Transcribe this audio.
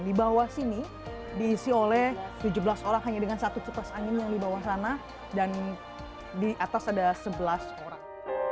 di bawah sini diisi oleh tujuh belas orang hanya dengan satu cupas angin yang di bawah sana dan di atas ada sebelas orang